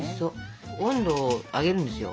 温度を上げるんですよ